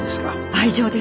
愛情です。